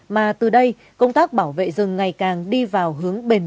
mà từ đây công tác bảo vệ rừng ngày càng đi vào hướng bền vững